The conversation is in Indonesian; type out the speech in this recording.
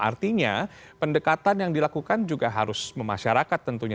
artinya pendekatan yang dilakukan juga harus memasyarakat tentunya